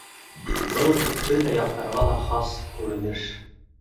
Был — бөтә яҡтарға ла хас күренеш.